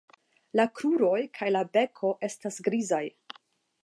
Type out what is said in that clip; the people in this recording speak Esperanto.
La kruroj kaj la beko estas grizaj.